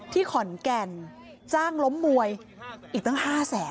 ขอนแก่นจ้างล้มมวยอีกตั้ง๕แสน